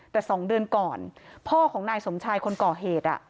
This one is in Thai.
แต่๒เดือนก่อนพ่อของนายสมชายคนก่อเหตุ